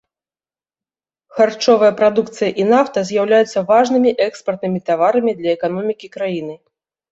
Харчовая прадукцыя і нафта з'яўляюцца важнымі экспартнымі таварамі для эканомікі краіны.